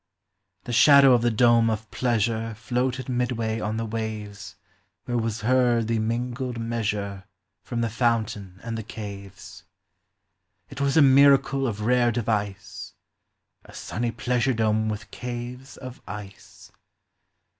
The shadow of the dome of pleasure Floated midway on the waves Where was heard the mingled measure From the fountain and the caves. It was a miracle of rare device, — A sunny pleasure dome with caves of ice!